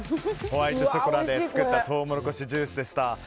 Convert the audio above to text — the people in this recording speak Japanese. ホワイトショコラで作ったトウモロコシジュースでした。